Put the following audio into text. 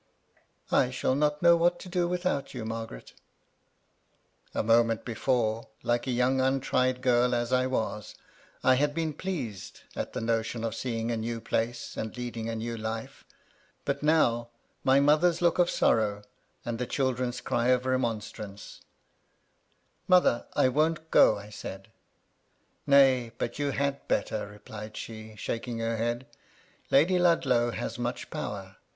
"I shall not know what to do without you, Mar garet." A moment before, like a young untried girl as I was, I had been pleased at the notion of seeing a new place, and leading a new life. But now, — ^my mother's look of sorrow, and the children's cry of remonstrance: " Mother ; I won't go," I said. "Nay! but you had better," replied she, shaking her head. ^^ Lady Ludlow has much power.